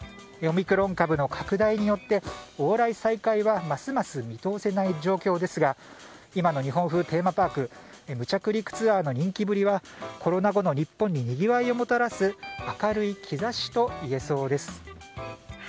オミクロン株の拡大によって往来再開はますます見通せない状況ですが今の日本風テーマパーク無着陸ツアーの人気ぶりはコロナ後の日本ににぎわいをもたらす明るい兆しといえそうです。